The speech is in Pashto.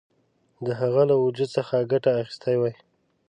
د هغه له وجود څخه ګټه اخیستې وای.